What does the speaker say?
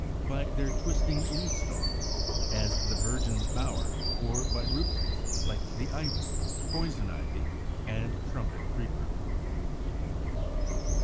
92, 93); by their twisting leaf stalks, as the Virgin's Bower; or by rootlets, like the Ivy, Poison Ivy, and Trumpet Creeper.